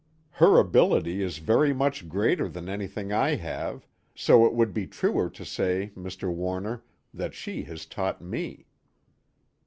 "Her ability is very much greater than anything I have, so it would be truer to say, Mr. Warner, that she has taught me."